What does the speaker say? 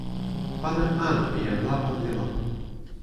pana anu pi jan lawa li lon.